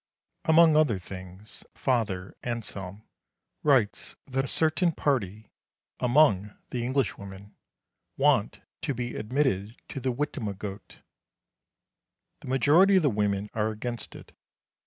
Among other things Father Anselm writes that a certain party among the Englishwomen want to be admitted to the Witenagemot. The majority of the women are against it.